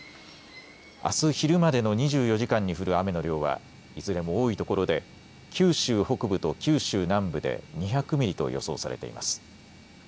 あす昼までの２４時間に降る雨の量はいずれも多いところで九州北部と九州南部で２００ミリと予想されています。